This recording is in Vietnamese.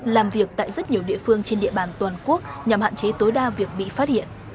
làm việc tại rất nhiều địa phương trên địa bàn toàn quốc nhằm hạn chế tối đa việc bị phát hiện